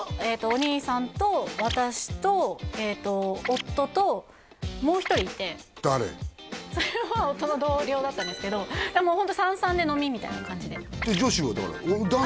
お兄さんと私と夫ともう一人いてそれは夫の同僚だったんですけどもうホント３３で飲みみたいな感じでで女子は誰？